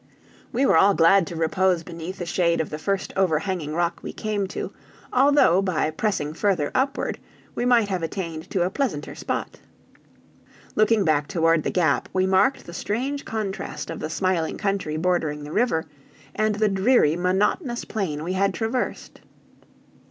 We were all glad to repose beneath the shade of the first over hanging rock we came to, although, by pressing further upward, we might have attained to a pleasanter spot. Looking back toward the Gap, we marked the strange contrast of the smiling country bordering the river, and the dreary, monotonous plain we had traversed.